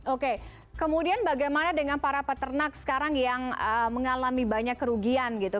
oke kemudian bagaimana dengan para peternak sekarang yang mengalami banyak kerugian gitu